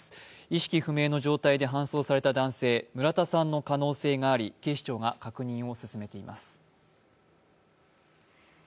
意識不明の状態で搬送された男性、村田さんの可能性があり警視庁が確認を進めています。